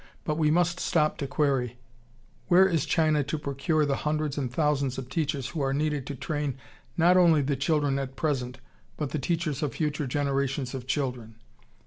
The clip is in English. But we must stop to query: Where is China to procure the hundreds and thousands of teachers who are needed to train not only the children at present but the teachers of future generations of children?